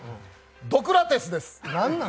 トクラテスです！